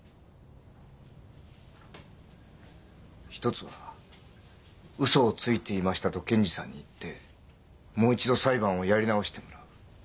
一つは「ウソをついていました」と検事さんに言ってもう一度裁判をやり直してもらう。